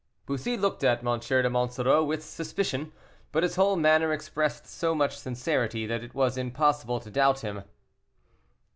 Bussy looked at M. de Monsoreau with suspicion, but his whole manner expressed so much sincerity that it was impossible to doubt him.